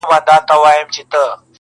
او پپړې شونډې جمال دی